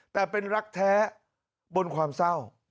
แต่เป็นรักแท้บนความเศร้า